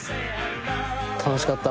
楽しかった。